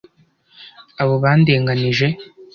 Abo bandenganije.